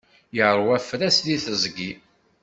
Yeṛwa afras di teẓgi.